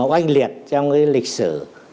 oanh liệt trong lịch sử